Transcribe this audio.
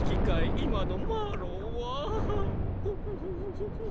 今のマロは。